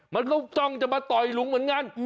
มันก็จ้องจะมาต่อยลุงเหมือนกัน